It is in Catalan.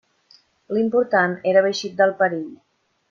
L'important era haver eixit del perill.